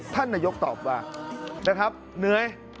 ท่านนายกตอบว่านะครับเหนื่อย